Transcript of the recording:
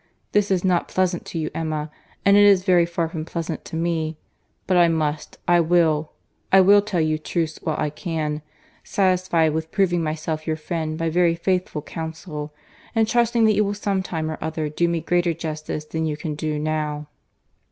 —This is not pleasant to you, Emma—and it is very far from pleasant to me; but I must, I will,—I will tell you truths while I can; satisfied with proving myself your friend by very faithful counsel, and trusting that you will some time or other do me greater justice than you can do now."